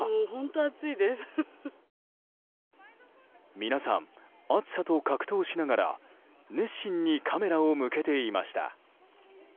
皆さん、暑さと格闘しながら熱心にカメラを向けていました。